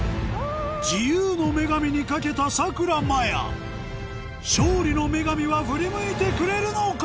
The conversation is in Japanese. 自由の女神にかけたさくらまや勝利の女神は振り向いてくれるのか？